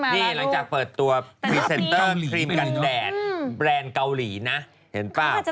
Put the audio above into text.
นี่หลังจากเปิดตัวพรีเซนเตอร์ครีมกันแดดแบรนด์เกาหลีนะเห็นป่ะ